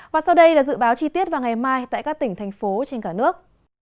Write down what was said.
và sau đây là dự báo chi tiết vào ngày mai tại các tỉnh thành phố trên cả nước